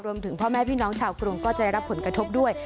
พ่อแม่พี่น้องชาวกรุงก็จะได้รับผลกระทบด้วย